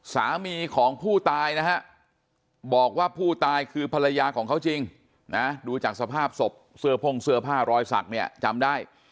สามีของผู้ตายนะฮะบอกว่าผู้ตายคือภรรยาของเขาจริงนะดูจากสภาพศพเสื้อพ่งเสื้อผ้ารอยสักเนี่ยจำได้